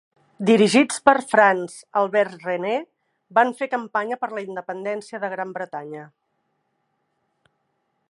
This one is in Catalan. Dirigits per France Albert Rene, van fer campanya per la independéncia de Gran Bretanya.